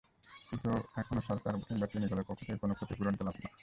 কিন্তু এখনো সরকার কিংবা চিনিকলের পক্ষ থেকে কোনো ক্ষতিপূরণ পেলাম না।